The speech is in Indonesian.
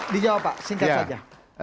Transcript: dijawab pak singkat saja